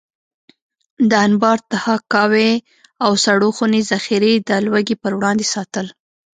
د انبار، تحکاوي او سړو خونې ذخیرې د لوږې پر وړاندې ساتل.